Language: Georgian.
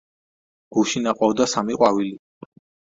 გუშინ აყვავდა სამი ყვავილი.